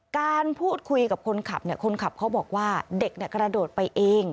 การพูดคุยกับคนขับคนขับเขาบอกว่าเด็กกระโดดไปเอง